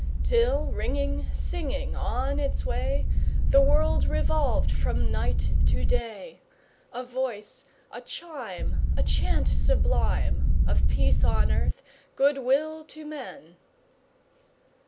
Till, ringing, singing on its way, The world revolved from night to day, A voice, a chime, A chant sublime Of peace on earth, good will to men!